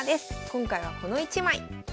今回はこの一枚。